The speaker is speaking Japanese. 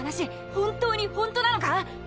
本当に本当なのか！？